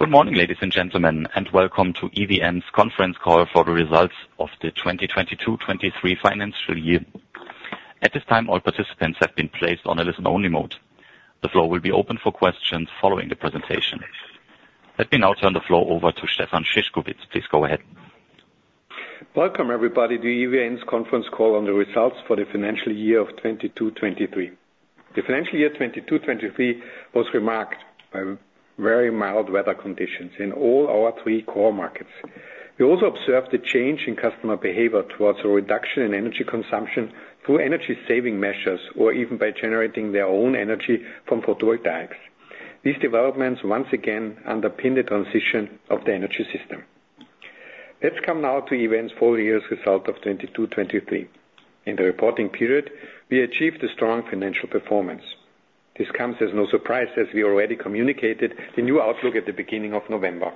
Good morning, ladies and gentlemen, and welcome to EVN's conference call for the results of the 2022/2023 financial year. At this time, all participants have been placed on a listen-only mode. The floor will be open for questions following the presentation. Let me now turn the floor over to Stefan Szyszkowitz. Please go ahead. Welcome, everybody, to EVN's conference call on the results for the financial year of 2022-2023. The financial year 2022-2023 was remarked by very mild weather conditions in all our three core markets. We also observed a change in customer behavior towards a reduction in energy consumption through energy saving measures, or even by generating their own energy from photovoltaics. These developments once again underpin the transition of the energy system. Let's come now to EVN's full-year's result of 2022-2023. In the reporting period, we achieved a strong financial performance. This comes as no surprise, as we already communicated the new outlook at the beginning of November.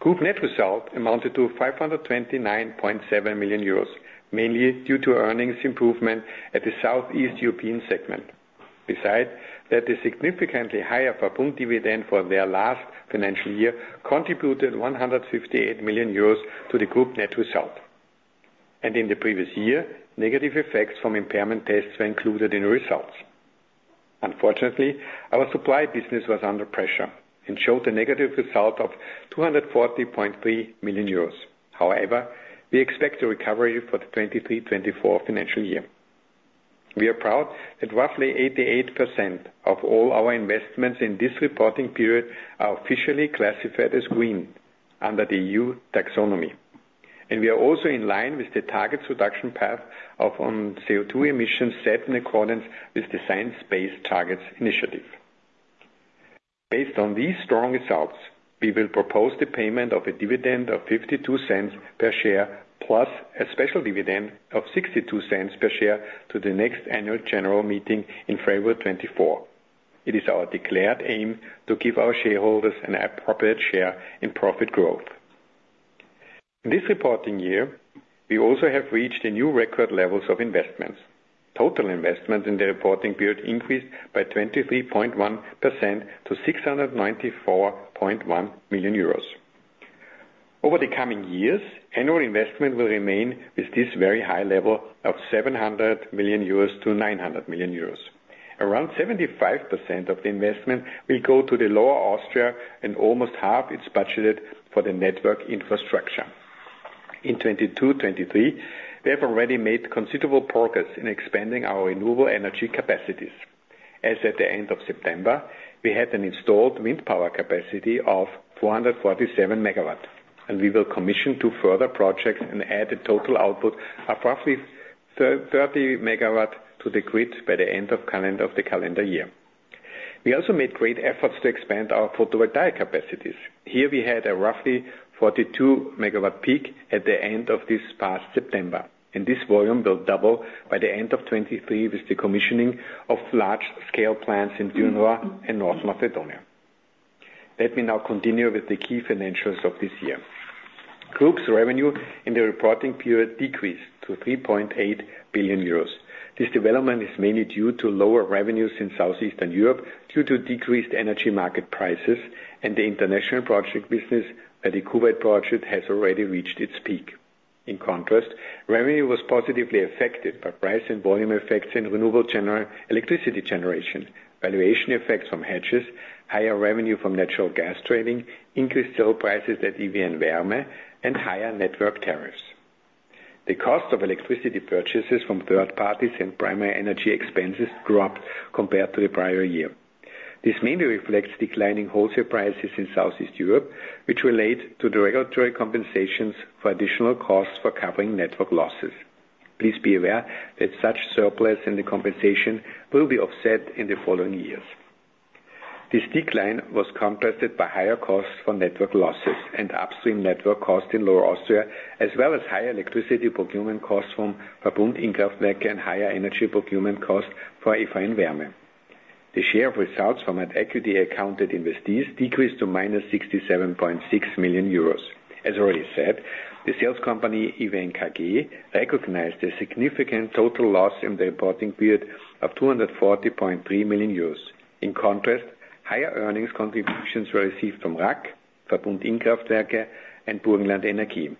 Group net result amounted to 529.7 million euros, mainly due to earnings improvement at the Southeast European segment. Besides that, the significantly higher Verbund dividend for their last financial year contributed 158 million euros to the Group net result. And in the previous year, negative effects from impairment tests were included in the results. Unfortunately, our supply business was under pressure and showed a negative result of 240.3 million euros. However, we expect a recovery for the 2023-2024 financial year. We are proud that roughly 88% of all our investments in this reporting period are officially classified as green under the EU Taxonomy, and we are also in line with the target reduction path of CO₂ emissions set in accordance with the Science Based Targets Initiative. Based on these strong results, we will propose the payment of a dividend of 0.52 per share, plus a special dividend of 0.62 per share to the next annual general meeting in February 2024. It is our declared aim to give our shareholders an appropriate share in profit growth. In this reporting year, we also have reached a new record levels of investments. Total investment in the reporting period increased by 23.1% to 694.1 million euros. Over the coming years, annual investment will remain with this very high level of 700 million-900 million euros. Around 75% of the investment will go to Lower Austria, and almost half is budgeted for the network infrastructure. In 2022-2023, we have already made considerable progress in expanding our renewable energy capacities. As at the end of September, we had an installed wind power capacity of 447 MW, and we will commission two further projects and add a total output of roughly 30 MW to the grid by the end of calendar, of the calendar year. We also made great efforts to expand our photovoltaic capacities. Here we had a roughly 42 MW peak at the end of this past September, and this volume will double by the end of 2023, with the commissioning of large-scale plants in Tenevo and North Macedonia. Let me now continue with the key financials of this year. Group's revenue in the reporting period decreased to 3.8 billion euros. This development is mainly due to lower revenues in Southeastern Europe due to decreased energy market prices and the international project business, where the Kuwait project has already reached its peak. In contrast, revenue was positively affected by price and volume effects in renewable electricity generation, valuation effects from hedges, higher revenue from natural gas trading, increased sale prices at EVN Wärme, and higher network tariffs. The cost of electricity purchases from third parties and primary energy expenses grew up compared to the prior year. This mainly reflects declining wholesale prices in Southeast Europe, which relate to the regulatory compensations for additional costs for covering network losses. Please be aware that such surplus in the compensation will be offset in the following years. This decline was compensated by higher costs for network losses and upstream network costs in Lower Austria, as well as higher electricity procurement costs from Verbund Innkraftwerke and higher energy procurement costs for EVN Wärme. The share of results from equity-accounted investees decreased to -67.6 million euros. As already said, the sales company, EVN AG, recognized a significant total loss in the reporting period of 240.3 million euros. In contrast, higher earnings contributions were received from RAG, Verbund Innkraftwerke, and Burgenland Energie.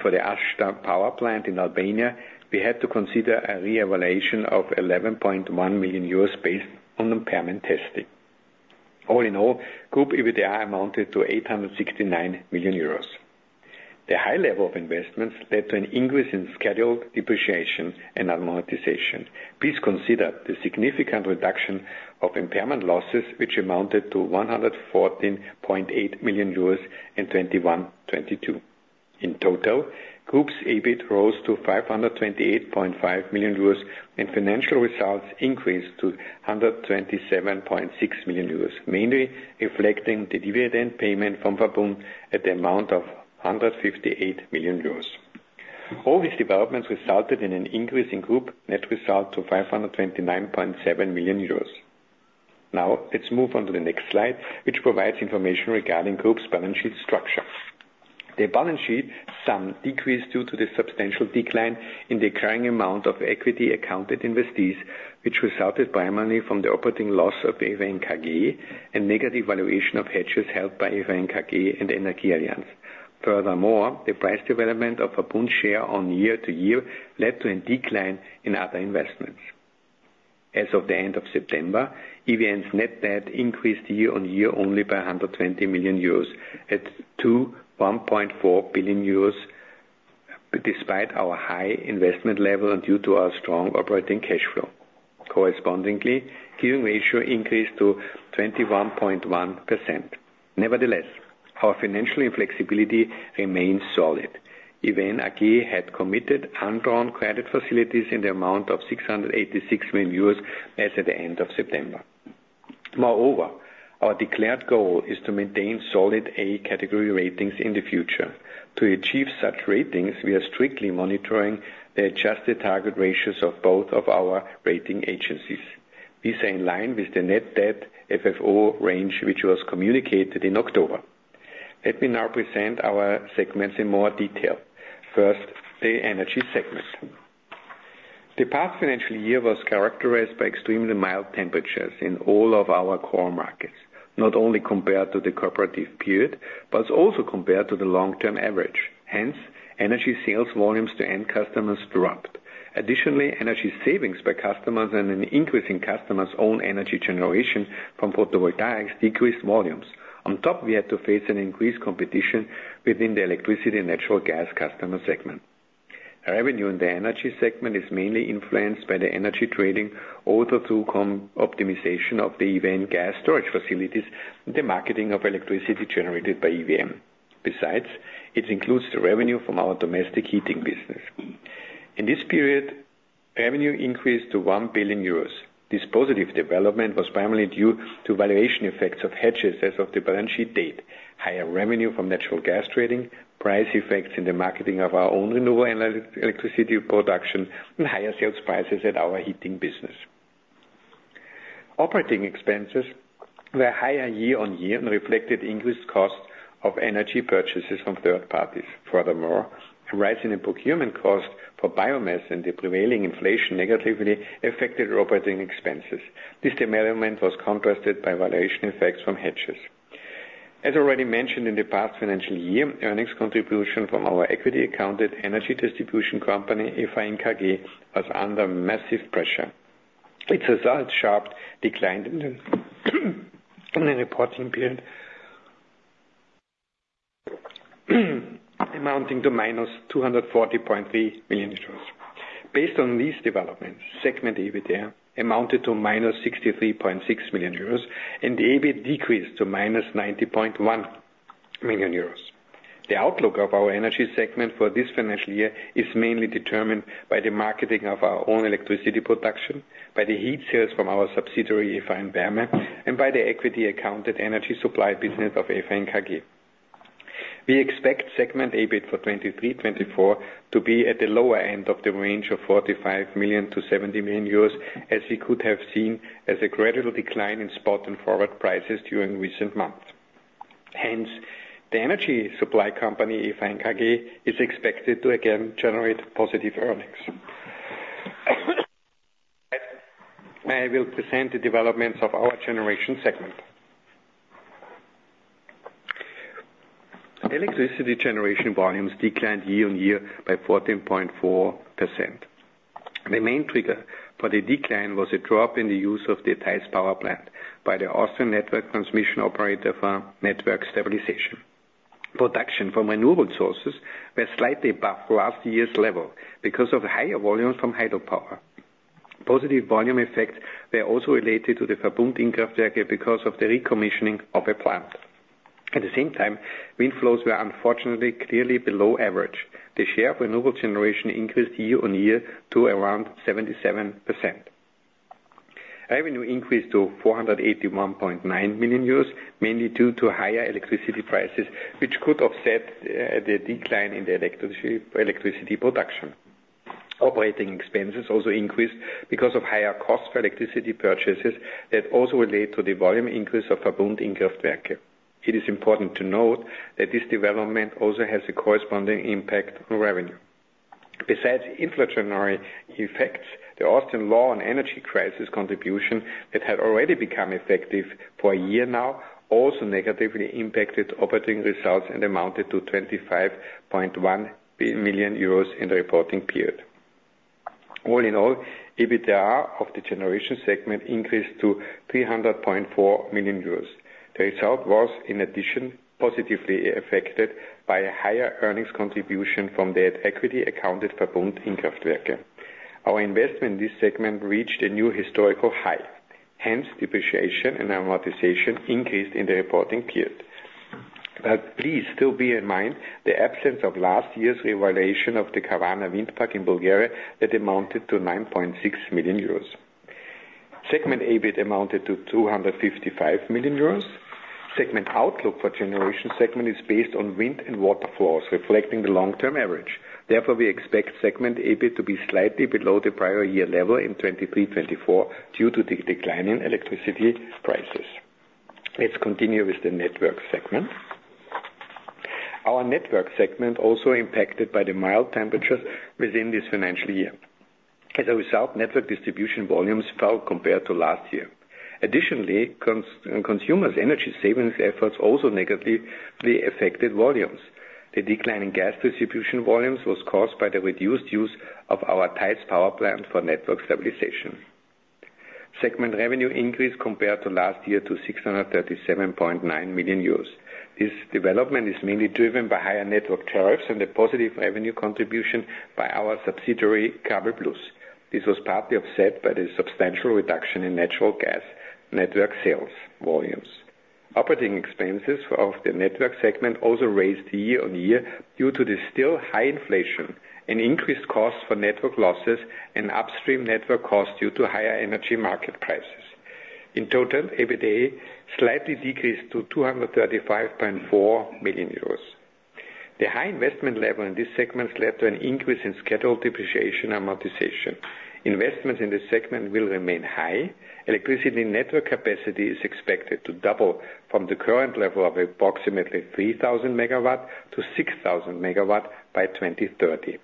For the Ashta Power Plant in Albania, we had to consider a reevaluation of 11.1 million euros based on impairment testing. All in all, Group EBITDA amounted to 869 million euros. The high level of investments led to an increase in scheduled depreciation and amortization. Please consider the significant reduction of impairment losses, which amounted to 114.8 million euros in 2021, 2022. In total, group's EBIT rose to 528.5 million euros, and financial results increased to 127.6 million euros, mainly reflecting the dividend payment from Verbund at the amount of 158 million euros. All these developments resulted in an increase in group net result to 529.7 million euros. Now, let's move on to the next slide, which provides information regarding group's balance sheet structure. The balance sheet somewhat decreased due to the substantial decline in the current amount of equity-accounted investees, which resulted primarily from the operating loss of EVN AG and negative valuation of hedges held by EVN AG and Energy Alliance. Furthermore, the price development of a Verbund share year-on-year led to a decline in other investments. As of the end of September, EVN's net debt increased year-on-year only by 120 million euros to 1.4 billion euros, despite our high investment level and due to our strong operating cash flow. Correspondingly, gearing ratio increased to 21.1%. Nevertheless, our financial flexibility remains solid. EVN AG had committed undrawn credit facilities in the amount of 686 million euros as at the end of September. Moreover, our declared goal is to maintain solid A category ratings in the future. To achieve such ratings, we are strictly monitoring the adjusted target ratios of both of our rating agencies. These are in line with the net debt FFO range, which was communicated in October. Let me now present our segments in more detail. First, the energy segment. The past financial year was characterized by extremely mild temperatures in all of our core markets, not only compared to the comparative period, but also compared to the long-term average. Hence, energy sales volumes to end customers dropped. Additionally, energy savings by customers and an increase in customers' own energy generation from photovoltaics decreased volumes. On top, we had to face an increased competition within the electricity and natural gas customer segment. Revenue in the energy segment is mainly influenced by the energy trading, all-through commodity optimization of the EVN gas storage facilities, the marketing of electricity generated by EVN. Besides, it includes the revenue from our domestic heating business. In this period, revenue increased to 1 billion euros. This positive development was primarily due to valuation effects of hedges as of the balance sheet date, higher revenue from natural gas trading, price effects in the marketing of our own renewable energy, electricity production, and higher sales prices at our heating business. Operating expenses were higher year-on-year and reflected increased costs of energy purchases from third parties. Furthermore, a rise in procurement costs for biomass and the prevailing inflation negatively affected operating expenses. This development was contrasted by valuation effects from hedges. As already mentioned in the past financial year, earnings contribution from our equity-accounted energy distribution company, EVN AG, was under massive pressure. Its results sharply declined in the reporting period, amounting to -240.3 million euros. Based on these developments, segment EBITDA amounted to -63.6 million euros, and the EBIT decreased to -90.1 million euros. The outlook of our energy segment for this financial year is mainly determined by the marketing of our own electricity production, by the heat sales from our subsidiary, EVN Wärme, and by the equity-accounted energy supply business of EVN AG. We expect segment EBIT for 2023-2024 to be at the lower end of the range of 45 million-70 million euros, as we could have seen as a gradual decline in spot and forward prices during recent months. Hence, the energy supply company, EVN AG, is expected to again generate positive earnings. I will present the developments of our generation segment. Electricity generation volumes declined year-on-year by 14.4%. The main trigger for the decline was a drop in the use of the Theiss power plant by the Austrian Network Transmission operator for network stabilization. Production from renewable sources were slightly above last year's level because of higher volumes from hydropower. Positive volume effects were also related to the Verbund Innkraftwerke because of the recommissioning of a plant. At the same time, wind flows were unfortunately clearly below average. The share of renewable generation increased year-on-year to around 77%. Revenue increased to 481.9 million euros, mainly due to higher electricity prices, which could offset the decline in the electricity, electricity production. Operating expenses also increased because of higher cost for electricity purchases that also relate to the volume increase of Verbund Innkraftwerke. It is important to note that this development also has a corresponding impact on revenue. Besides inflationary effects, the Austrian law on energy crisis contribution, that had already become effective for a year now, also negatively impacted operating results and amounted to 25.1 million euros in the reporting period. All in all, EBITDA of the generation segment increased to 300.4 million euros. The result was, in addition, positively affected by a higher earnings contribution from that equity-accounted Verbund Innkraftwerke. Our investment in this segment reached a new historical high. Hence, depreciation and amortization increased in the reporting period. But please still bear in mind the absence of last year's revaluation of the Kavarna Wind Park in Bulgaria that amounted to 9.6 million euros. Segment EBIT amounted to 255 million euros. Segment outlook for generation segment is based on wind and water flows, reflecting the long-term average. Therefore, we expect segment EBIT to be slightly below the prior year level in 2023-2024, due to the decline in electricity prices. Let's continue with the network segment. Our network segment also impacted by the mild temperatures within this financial year. As a result, network distribution volumes fell compared to last year. Additionally, consumers' energy savings efforts also negatively affected volumes. The decline in gas distribution volumes was caused by the reduced use of our Theiss power plant for network stabilization. Segment revenue increased compared to last year to 637.9 million euros. This development is mainly driven by higher network tariffs and the positive revenue contribution by our subsidiary, Kabelplus. This was partly offset by the substantial reduction in natural gas network sales volumes. Operating expenses of the network segment also raised year-on-year, due to the still high inflation and increased costs for network losses and upstream network costs due to higher energy market prices. In total, EBITDA slightly decreased to 235.4 million euros. The high investment level in this segment led to an increase in scheduled depreciation amortization. Investments in this segment will remain high. Electricity network capacity is expected to double from the current level of approximately 3,000 MW to 6,000 MW by 2030.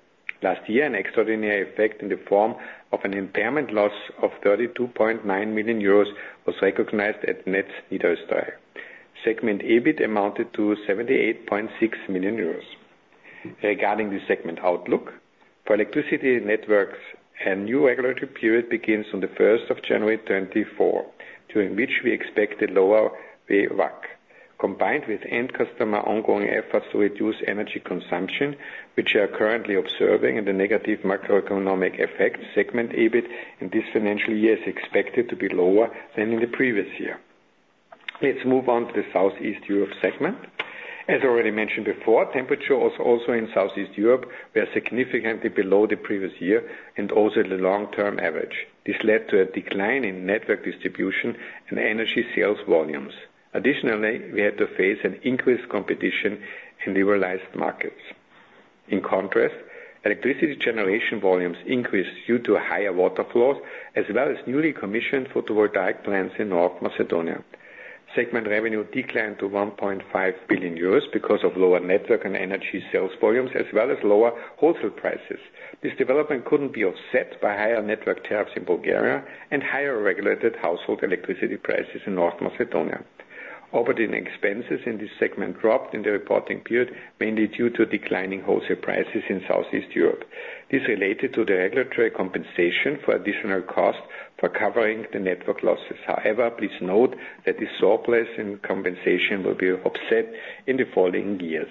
Last year, an extraordinary effect in the form of an impairment loss of 32.9 million euros was recognized at Netz Niederösterreich. Segment EBIT amounted to 78.6 million euros. Regarding the segment outlook, for electricity networks, a new regulatory period begins on the first of January 2024, during which we expect a lower WACC, combined with end customer ongoing efforts to reduce energy consumption, which we are currently observing in the negative macroeconomic effect. Segment EBIT, in this financial year, is expected to be lower than in the previous year. Let's move on to the Southeast Europe segment. As already mentioned before, temperatures were also in Southeast Europe significantly below the previous year and also the long-term average. This led to a decline in network distribution and energy sales volumes. Additionally, we had to face an increased competition in liberalized markets. In contrast, electricity generation volumes increased due to higher water flows, as well as newly commissioned photovoltaic plants in North Macedonia. Segment revenue declined to 1.5 billion euros because of lower network and energy sales volumes, as well as lower wholesale prices. This development couldn't be offset by higher network tariffs in Bulgaria and higher regulated household electricity prices in North Macedonia. Operating expenses in this segment dropped in the reporting period, mainly due to declining wholesale prices in Southeast Europe. This related to the regulatory compensation for additional costs for covering the network losses. However, please note that this surplus in compensation will be offset in the following years.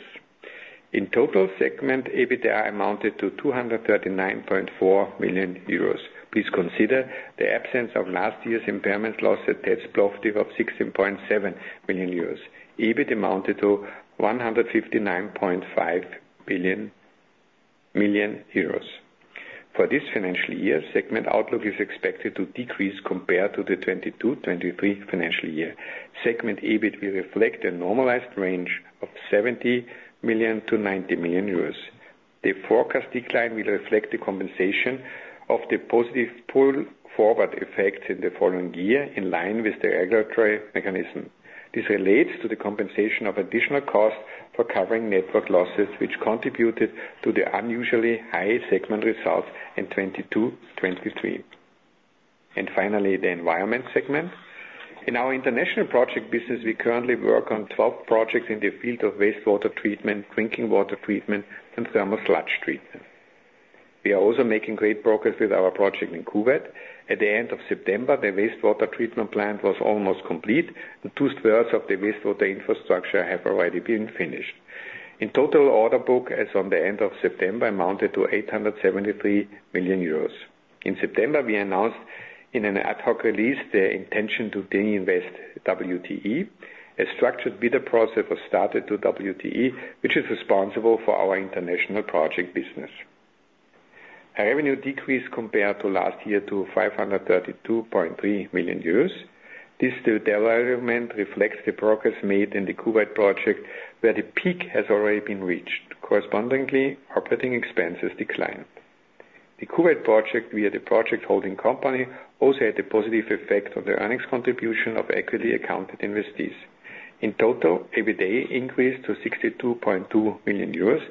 In total, segment EBITDA amounted to 239.4 million euros. Please consider the absence of last year's impairment loss, at tax profit of 16.7 million euros. EBIT amounted to 159.5 million euros. For this financial year, segment outlook is expected to decrease compared to the 2022-2023 financial year. Segment EBIT will reflect a normalized range of 70 million-90 million euros. The forecast decline will reflect the compensation of the positive pull-forward effect in the following year, in line with the regulatory mechanism. This relates to the compensation of additional costs for covering network losses, which contributed to the unusually high segment results in 2022-2023. Finally, the environment segment. In our international project business, we currently work on 12 projects in the field of wastewater treatment, drinking water treatment, and thermal sludge treatment. We are also making great progress with our project in Kuwait. At the end of September, the wastewater treatment plant was almost complete, and two-thirds of the wastewater infrastructure have already been finished. In total, order book, as on the end of September, amounted to 873 million euros. In September, we announced in an ad hoc release the intention to de-invest WTE. A structured bidder process was started to WTE, which is responsible for our international project business. Our revenue decreased compared to last year, to 532.3 million euros. This development reflects the progress made in the Kuwait project, where the peak has already been reached. Correspondingly, operating expenses declined. The Kuwait project, via the project holding company, also had a positive effect on the earnings contribution of equity-accounted investors. In total, EBITDA increased to 62.2 million euros,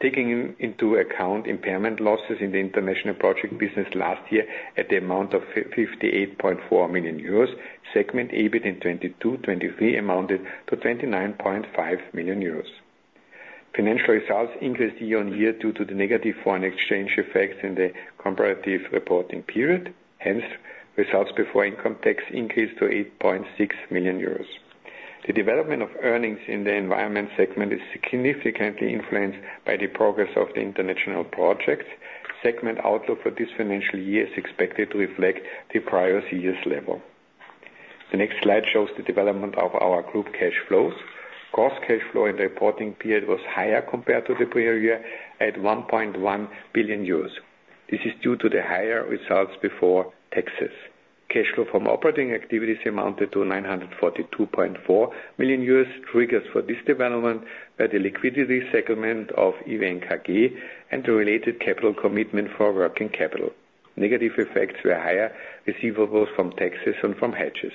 taking into account impairment losses in the international project business last year, at the amount of 58.4 million euros. Segment EBIT in 2022-2023 amounted to 29.5 million euros. Financial results increased year-on-year due to the negative foreign exchange effects in the comparative reporting period. Hence, results before income tax increased to 8.6 million euros. The development of earnings in the environment segment is significantly influenced by the progress of the international projects. Segment outlook for this financial year is expected to reflect the prior year's level. The next slide shows the development of our group's cash flows. Gross cash flow in the reporting period was higher compared to the prior year, at 1.1 billion euros. This is due to the higher results before taxes. Cash flow from operating activities amounted to 942.4 million euros. Triggers for this development by the liquidity segment of EVN AG, and the related capital commitment for working capital... Negative effects were higher, receivables from taxes and from hedges.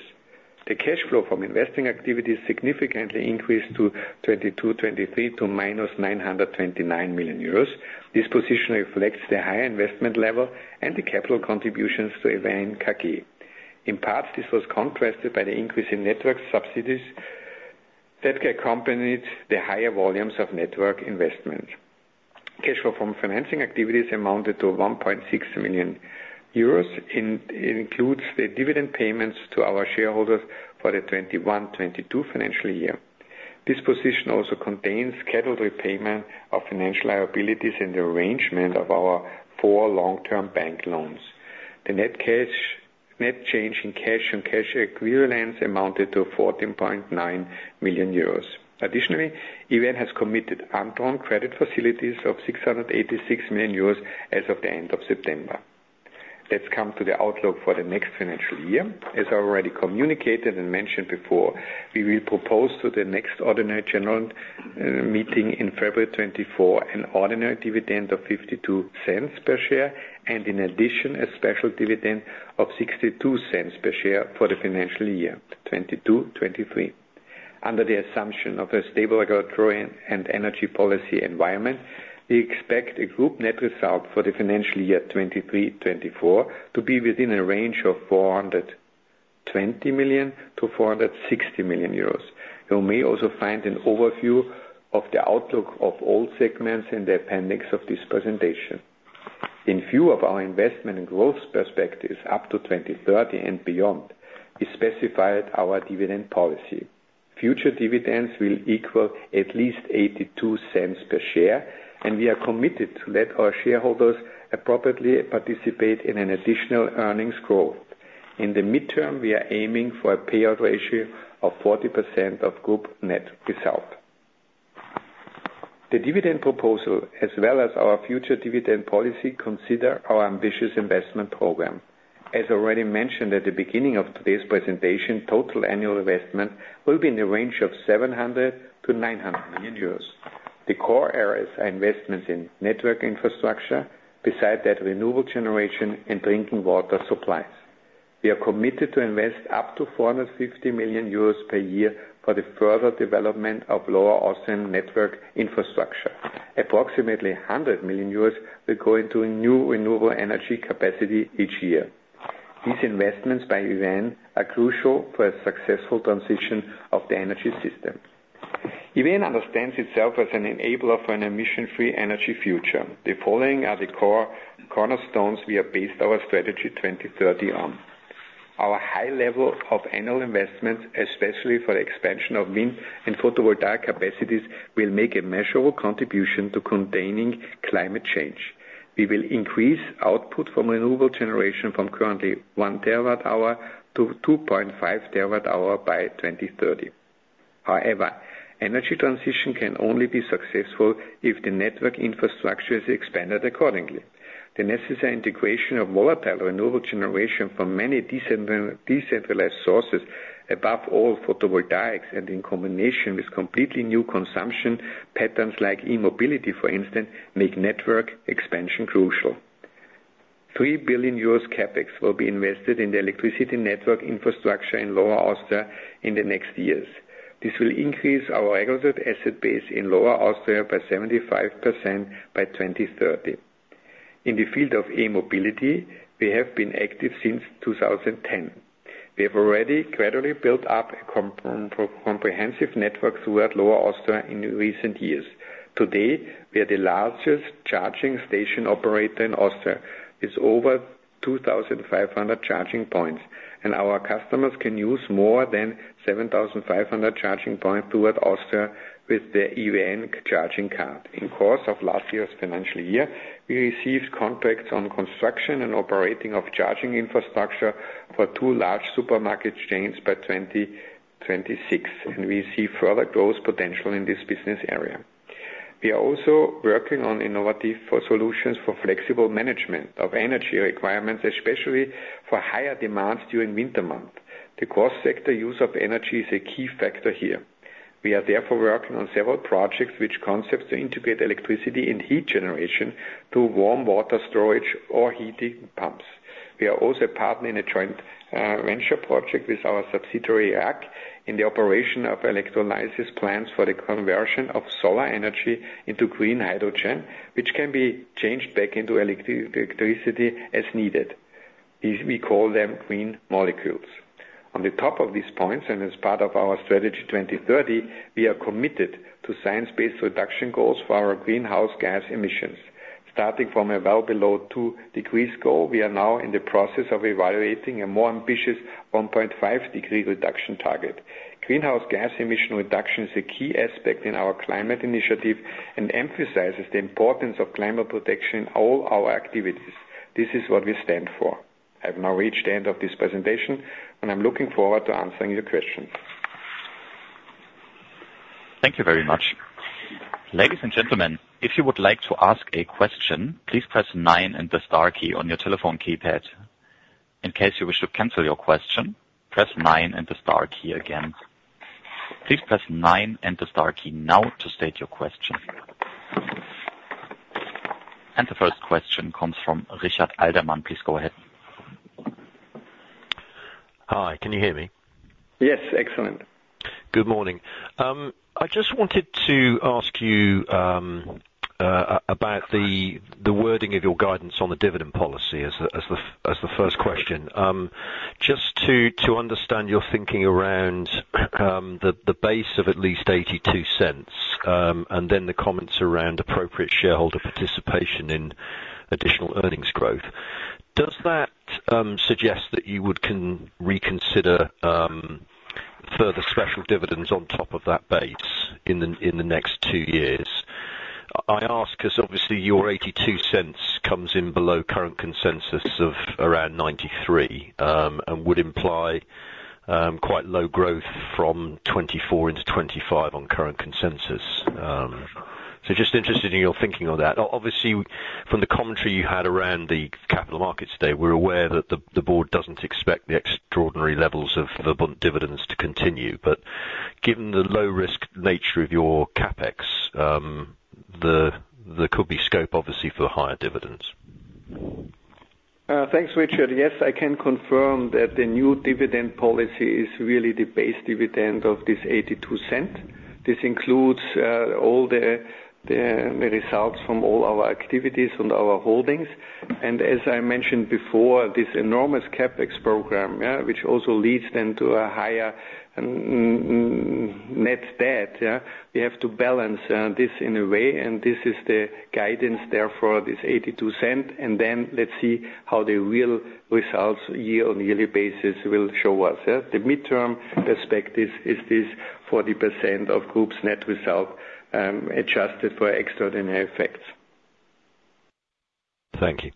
The cash flow from investing activities significantly increased from EUR 223 million to -929 million euros. This position reflects the higher investment level and the capital contributions to EVN AG. In part, this was contrasted by the increase in network subsidies that accompanied the higher volumes of network investment. Cash flow from financing activities amounted to 1.6 million euros, and it includes the dividend payments to our shareholders for the 2021-2022 financial year. This position also contains scheduled repayment of financial liabilities and the arrangement of our four long-term bank loans. The net cash, net change in cash and cash equivalents amounted to 14.9 million euros. Additionally, EVN has committed undrawn credit facilities of 686 million euros as of the end of September. Let's come to the outlook for the next financial year. As already communicated and mentioned before, we will propose to the next ordinary general meeting in February 2024, an ordinary dividend of 0.52 per share, and in addition, a special dividend of 0.62 per share for the financial year 2022-2023. Under the assumption of a stable regulatory and energy policy environment, we expect a group net result for the financial year 2023-2024 to be within a range of 420 million-460 million euros. You may also find an overview of the outlook of all segments in the appendix of this presentation. In view of our investment and growth perspectives up to 2030 and beyond, we specified our dividend policy. Future dividends will equal at least 0.82 per share, and we are committed to let our shareholders appropriately participate in an additional earnings growth. In the midterm, we are aiming for a payout ratio of 40% of group's net result. The dividend proposal, as well as our future dividend policy, consider our ambitious investment program. As already mentioned at the beginning of today's presentation, total annual investment will be in the range of 700 million-900 million euros. The core areas are investments in network infrastructure, besides that, renewable generation and drinking water supplies. We are committed to invest up to 450 million euros per year for the further development of Lower Austrian network infrastructure. Approximately 100 million euros will go into a new renewable energy capacity each year. These investments by EVN are crucial for a successful transition of the energy system. EVN understands itself as an enabler for an emission-free energy future. The following are the core cornerstones we have based our Strategy 2030 on. Our high level of annual investments, especially for the expansion of wind and photovoltaic capacities, will make a measurable contribution to containing climate change. We will increase output from renewable generation from currently 1 TWh to 2.5 TWh by 2030. However, energy transition can only be successful if the network infrastructure is expanded accordingly. The necessary integration of volatile renewable generation from many decentralized sources, above all, photovoltaics, and in combination with completely new consumption patterns, like e-mobility, for instance, make network expansion crucial. 3 billion euros CapEx will be invested in the electricity network infrastructure in Lower Austria in the next years. This will increase our regulated asset base in Lower Austria by 75% by 2030. In the field of e-mobility, we have been active since 2010. We have already gradually built up a comprehensive network throughout Lower Austria in recent years. Today, we are the largest charging station operator in Austria, with over 2,500 charging points, and our customers can use more than 7,500 charging points throughout Austria with their EVN charging card. In course of last year's financial year, we received contracts on construction and operating of charging infrastructure for two large supermarket chains by 2026, and we see further growth potential in this business area. We are also working on innovative solutions for flexible management of energy requirements, especially for higher demands during winter months. The cross-sector use of energy is a key factor here. We are therefore working on several projects, which concepts to integrate electricity and heat generation to warm water storage or heat pumps. We are also a partner in a joint venture project with our subsidiary, AG, in the operation of electrolysis plants for the conversion of solar energy into green hydrogen, which can be changed back into electricity as needed. We, we call them green molecules. On the top of these points, and as part of our strategy 2030, we are committed to science-based reduction goals for our greenhouse gas emissions. Starting from a well below 2 degrees goal, we are now in the process of evaluating a more ambitious 1.5-degree reduction target. Greenhouse gas emission reduction is a key aspect in our climate initiative and emphasizes the importance of climate protection in all our activities. This is what we stand for. I've now reached the end of this presentation, and I'm looking forward to answering your questions. Thank you very much. Ladies and gentlemen, if you would like to ask a question, please press nine and the star key on your telephone keypad. In case you wish to cancel your question, press nine and the star key again... Please press nine and the star key now to state your question. And the first question comes from Richard Alderman. Please go ahead. Hi, can you hear me? Yes. Excellent. Good morning. I just wanted to ask you about the wording of your guidance on the dividend policy as the first question. Just to understand your thinking around the base of at least 0.82, and then the comments around appropriate shareholder participation in additional earnings growth. Does that suggest that you would reconsider further special dividends on top of that base in the next two years? I ask, because obviously, your 0.82 comes in below current consensus of around 0.93, and would imply quite low growth from 2024 into 2025 on current consensus. So just interested in your thinking on that. Obviously, from the commentary you had around the capital markets day, we're aware that the board doesn't expect the extraordinary levels of the buoyant dividends to continue. But given the low-risk nature of your CapEx, there could be scope, obviously, for higher dividends. Thanks, Richard. Yes, I can confirm that the new dividend policy is really the base dividend of this 0.82. This includes all the results from all our activities and our holdings. And as I mentioned before, this enormous CapEx program, yeah, which also leads then to a higher net debt, yeah. We have to balance this in a way, and this is the guidance, therefore, this 0.82. And then let's see how the real results year-on-year basis will show us, yeah. The midterm perspective is this 40% of group's net result, adjusted for extraordinary effects. Thank you.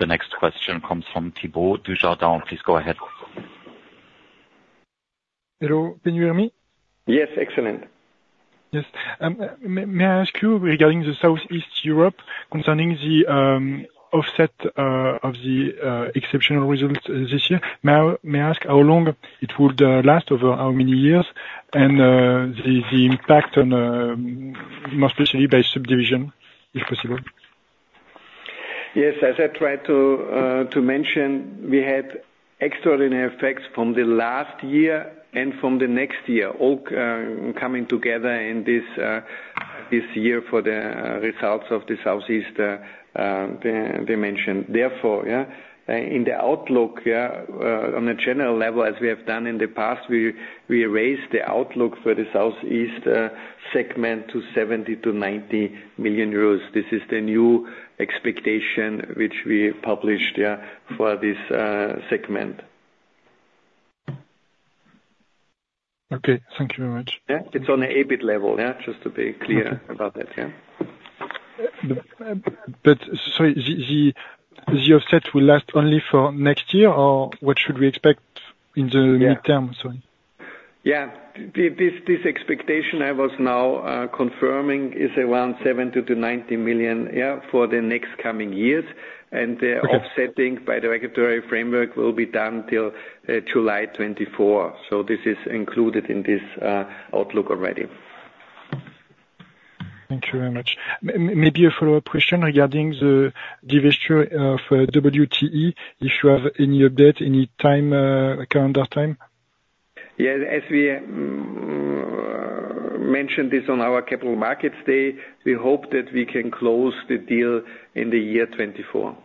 The next question comes from Thibault Dujardin. Please go ahead. Hello, can you hear me? Yes, excellent. Yes. May I ask you, regarding Southeast Europe, concerning the offset of the exceptional results this year. May I ask how long it would last, over how many years? And the impact on, more especially by subdivision, if possible. Yes, as I tried to mention, we had extraordinary effects from the last year and from the next year, all coming together in this year for the results of the Southeast dimension. Therefore, yeah, in the outlook, yeah, on a general level, as we have done in the past, we raised the outlook for the Southeast segment to 70 million-90 million euros. This is the new expectation which we published, yeah, for this segment. Okay. Thank you very much. Yeah. It's on the EBIT level, yeah, just to be clear- Okay. about that, yeah. But sorry, the offset will last only for next year, or what should we expect in the- Yeah. Midterm? Sorry. Yeah. This, this expectation I was now confirming is around 70 million-90 million, yeah, for the next coming years. Okay. The offsetting by the regulatory framework will be done till July 2024. So this is included in this outlook already. Thank you very much. Maybe a follow-up question regarding the divestiture of WTE, if you have any update, any time, calendar time? Yeah, as we mentioned this on our capital markets day, we hope that we can close the deal in the year 2024.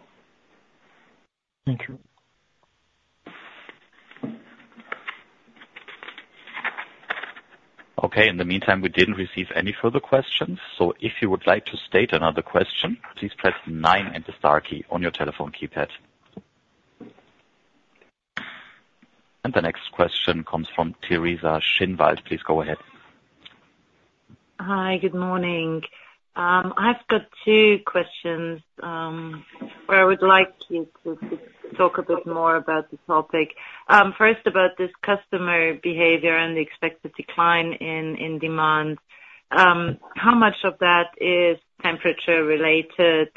Thank you. Okay. In the meantime, we didn't receive any further questions. So if you would like to state another question, please press nine and the star key on your telephone keypad. And the next question comes from Teresa Schinwald. Please go ahead. Hi, good morning. I've got two questions, where I would like you to talk a bit more about the topic. First, about this customer behavior and the expected decline in demand. How much of that is temperature-related,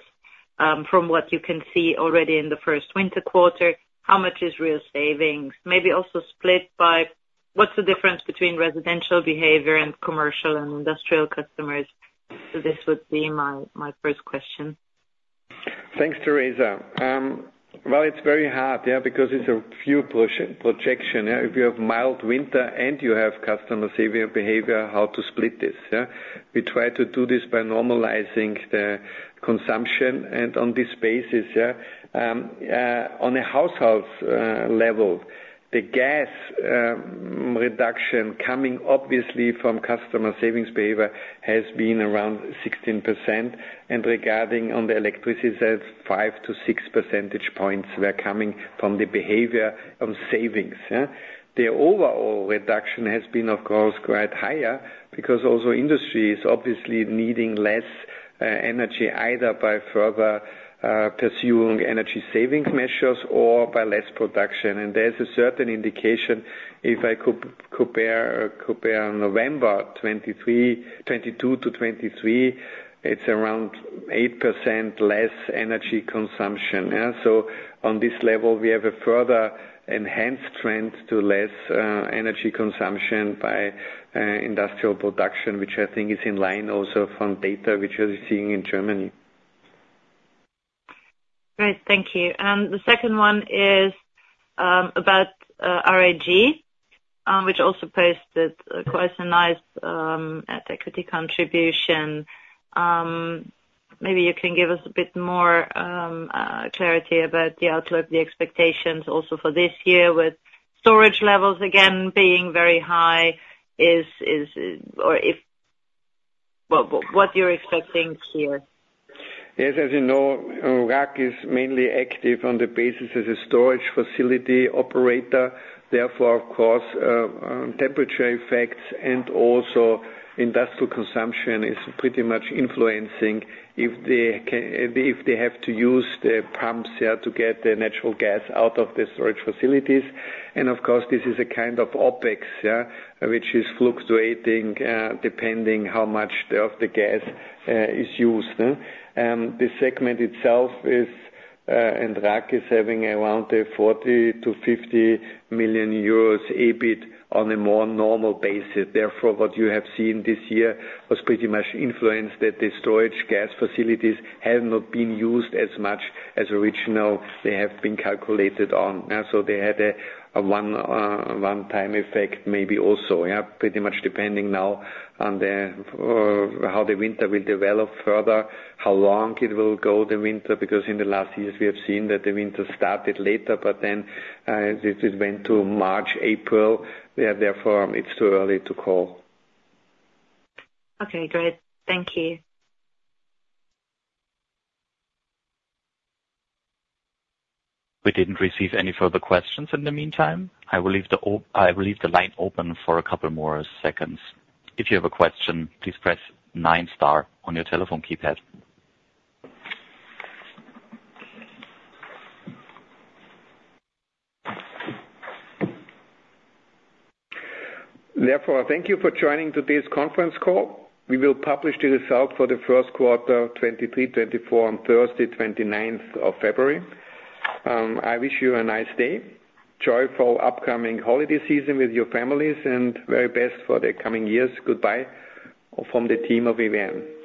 from what you can see already in the first winter quarter? How much is real savings? Maybe also split by what's the difference between residential behavior and commercial and industrial customers? So this would be my first question. Thanks, Theresa. Well, it's very hard, yeah, because it's a few projections. If you have mild winter and you have customer savings behavior, how to split this, yeah? We try to do this by normalizing the consumption, and on this basis, yeah. On a household level, the gas reduction coming obviously from customer savings behavior has been around 16%, and regarding on the electricity side, five to six percentage points were coming from the behavior of savings, yeah? The overall reduction has been, of course, quite higher, because also industry is obviously needing less energy, either by further pursuing energy savings measures or by less production. And there's a certain indication, if I could compare November 2023, 2022-2023, it's around 8% less energy consumption, yeah. So on this level, we have a further enhanced trend to less energy consumption by industrial production, which I think is in line also from data which we are seeing in Germany. Great, thank you. The second one is about RAG, which also posted quite a nice at equity contribution. Maybe you can give us a bit more clarity about the outlook, the expectations also for this year, with storage levels again being very high. What you're expecting here? Yes, as you know, RAG is mainly active on the basis as a storage facility operator. Therefore, of course, temperature effects and also industrial consumption is pretty much influencing if they have to use the pumps, yeah, to get the natural gas out of the storage facilities. And of course, this is a kind of OpEx, yeah, which is fluctuating, depending how much of the gas is used. The segment itself is, and RAG is having around 40 million-50 million euros EBIT, on a more normal basis. Therefore, what you have seen this year was pretty much influenced, that the storage gas facilities have not been used as much as originally they have been calculated on. So they had a one-time effect, maybe also, yeah. Pretty much depending now on how the winter will develop further, how long it will go, the winter, because in the last years we have seen that the winter started later, but then it went to March, April. Yeah, therefore, it's too early to call. Okay, great. Thank you. We didn't receive any further questions in the meantime. I will leave the line open for a couple more seconds. If you have a question, please press nine star on your telephone keypad. Therefore, thank you for joining today's conference call. We will publish the results for the first quarter, 2023, 2024 on Thursday, 29th of February. I wish you a nice day, joyful upcoming holiday season with your families, and very best for the coming years. Goodbye from the team of EVN.